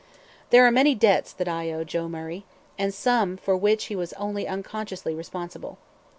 There are many debts that I owe Joe Murray, and some for which he was only unconsciously responsible.